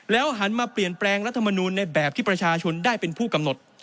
หันมาเปลี่ยนแปลงรัฐมนูลในแบบที่ประชาชนได้เป็นผู้กำหนด